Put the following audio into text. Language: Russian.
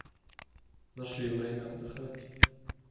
Нашли время отдыхать.